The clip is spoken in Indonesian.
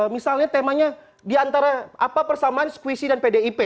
misalnya temanya diantara apa persamaan squisi dan pdip